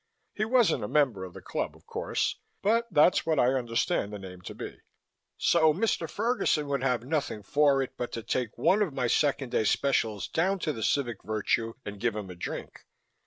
He wasn't a member of the club, of course, but that's what I understand the name to be. So Mr. Ferguson would have nothing for it but to take one of my Second Day Specials down to the Civic Virtue and give him a drink.